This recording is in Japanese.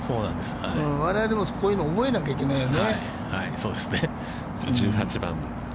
我々も、こういうの覚えないといけないよね。